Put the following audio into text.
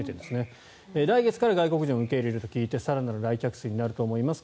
来月から外国人を受け入れると聞いて更なる来客数になると思います